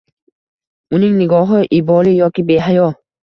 Uning nigohi iboli yoki behayo